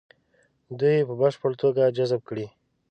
دوی یې په بشپړه توګه جذب کړي.